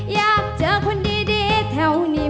อยากเจอคนดีแถวนี้